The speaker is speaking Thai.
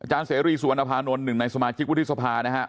เสรีสุวรรณภานนท์หนึ่งในสมาชิกวุฒิสภานะฮะ